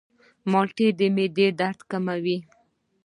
مالټې د معدې درد کموي.